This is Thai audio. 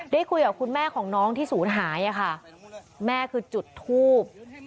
ได้คุยกับคุณแม่ของน้องที่ศูนย์หายค่ะแม่คือจุดทูบ